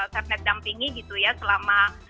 kernet dampingi gitu ya selama